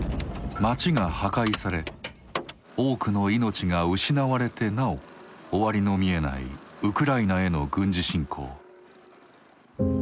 町が破壊され多くの命が失われてなお終わりの見えないウクライナへの軍事侵攻。